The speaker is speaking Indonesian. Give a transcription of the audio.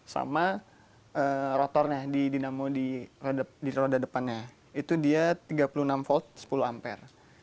sama rotornya di dinamo di roda depannya itu dia tiga puluh enam volt sepuluh ampere